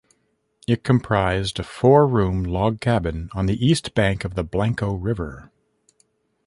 It comprised a four-room log cabin on the east bank of the Blanco River.